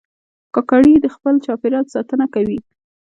کاکړي د خپل چاپېریال ساتنه کوي.